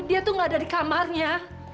dia tuh gak ada di kamarnya